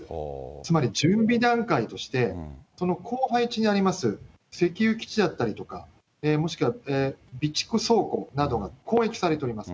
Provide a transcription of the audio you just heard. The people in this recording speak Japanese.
つまり準備段階として、後背地にあります、石油基地だったりとか、もしくは備蓄倉庫などが攻撃されております。